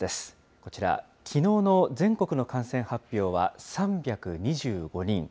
こちら、きのうの全国の感染発表は３２５人。